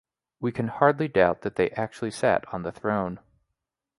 We can hardly doubt that they actually sat on the throne.